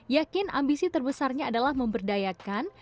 yakin ambisi terbesarnya adalah memberdayakan